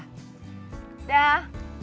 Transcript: terima kasih kang